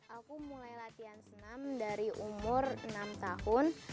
aku mulai latihan senam dari umur enam tahun